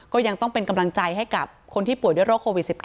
ก็ยังต้องเป็นกำลังใจให้กับคนที่ป่วยด้วยโรคโควิด๑๙